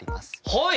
はい！